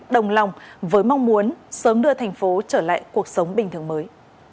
đồng lòng với mong muốn sớm đưa thành phố trở lại cuộc sống bình thường mới